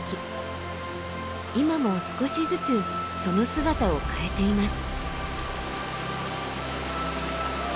今も少しずつその姿を変えています。